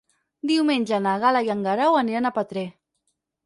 Diumenge na Gal·la i en Guerau aniran a Petrer.